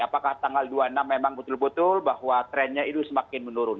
apakah tanggal dua puluh enam memang betul betul bahwa trennya itu semakin menurun